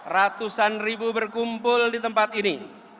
ratusan ribu berkumpul di tempat ini